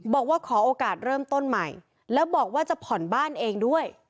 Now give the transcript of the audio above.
บอกว่าขอโอกาสเริ่มต้นใหม่แล้วบอกว่าจะผ่อนบ้านเองด้วย